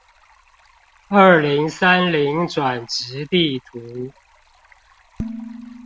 二零三零轉職地圖